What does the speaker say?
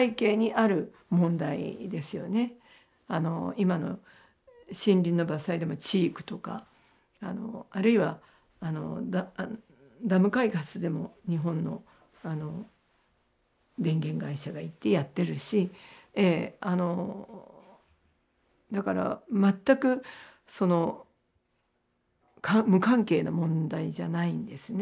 今の森林の伐採でもチークとかあるいはダム開発でも日本の電源会社が行ってやってるしだから全く無関係な問題じゃないんですね。